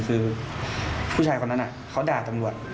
คือผู้ชายคนนั้นเขาด่าตำรวจ